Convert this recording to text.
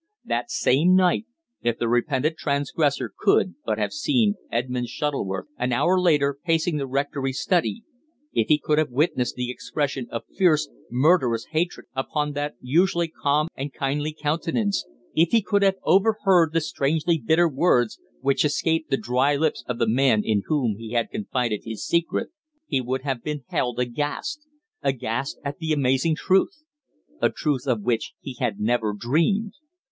That same night, if the repentant transgressor could but have seen Edmund Shuttleworth, an hour later, pacing the rectory study; if he could have witnessed the expression of fierce, murderous hatred upon that usually calm and kindly countenance; if he could have overheard the strangely bitter words which escaped the dry lips of the man in whom he had confided his secret, he would have been held aghast aghast at the amazing truth, a truth of which he had never dreamed.